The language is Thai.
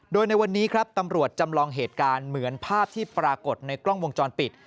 โดยในวันนี้ครับตำรวจจำลองเหตุการณ์เหมือนภาพที่ปรากฏในกล้องวงจรปิด